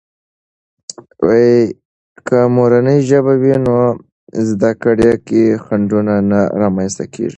که مورنۍ ژبه وي، نو زده کړې کې خنډونه نه رامنځته کېږي.